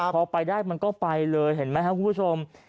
พอไปได้มันก็ไปเลยเห็นไหมครับคุณผู้ชม